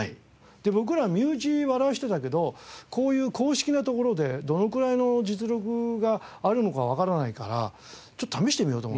で僕ら身内笑わせてたけどこういう公式なところでどのくらいの実力があるのかわからないからちょっと試してみようと思って。